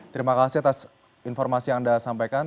terima kasih atas informasi yang anda sampaikan